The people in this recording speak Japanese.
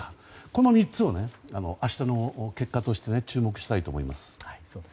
この３つを明日の結果として注目したいと思います。